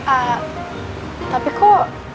ah tapi kok